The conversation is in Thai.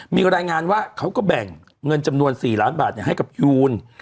มีรายงานว่าเขาก็แบ่งเงินจำนวน๔ล้านบาทให้กับยูน